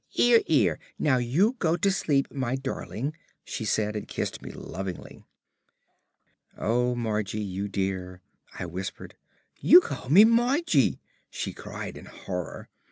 "'Ere, 'ere, now go to sleep, my darling," she said, and kissed me lovingly. "Oh, Margie, you dear," I whispered. "You called me 'Margie'!" she cried in horror.